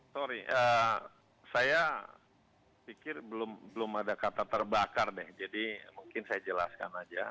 sorry saya pikir belum ada kata terbakar deh jadi mungkin saya jelaskan aja